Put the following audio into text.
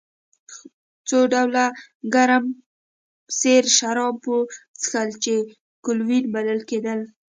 څو ډوله ګرم سره شراب به مو څښل چې ګلووېن بلل کېدل.